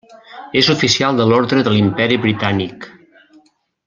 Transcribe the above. És oficial de l'Orde de l'Imperi britànic.